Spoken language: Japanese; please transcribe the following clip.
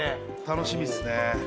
楽しみっすね。